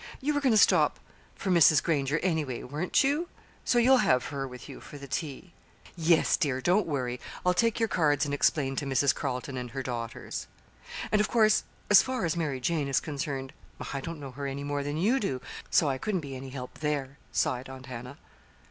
You were going to stop for Mrs. Granger, anyway, weren't you? So you'll have her with you for the tea." "Yes, dear, don't worry. I'll take your cards and explain to Mrs. Carleton and her daughters." "And, of course, as far as Mary Jane is concerned, I don't know her any more than you do; so I couldn't be any help there," sighed Aunt Hannah.